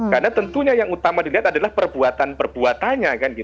karena tentunya yang utama dilihat adalah perbuatan perbuatannya